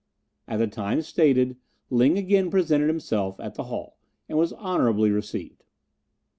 At the time stated Ling again presented himself at the Hall, and was honourably received.